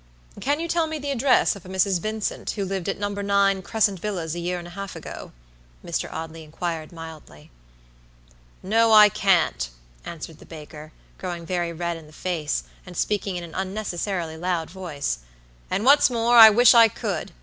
"Can you tell me the address of a Mrs. Vincent, who lived at No. 9 Crescent Villas a year and a half ago?" Mr. Audley inquired, mildly. "No, I can't," answered the baker, growing very red in the face, and speaking in an unnecessarily loud voice; "and what's more, I wish I could.